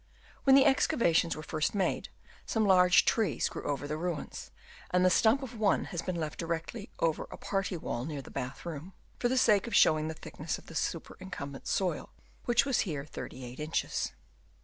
When the excavations were first made, some large trees grew over the ruins; and the stump of one has been left directly over a party wall near the bath room, for the sake of showing the thickness of the superincumbent soil, which, was here 38 inches.